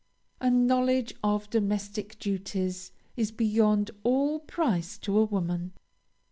A knowledge of domestic duties is beyond all price to a woman.